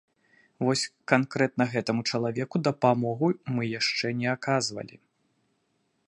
Вось канкрэтна гэтаму чалавеку дапамогу мы яшчэ не аказывалі.